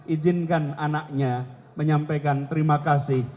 ijinkan anaknya menyampaikan terima kasih